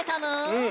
うん。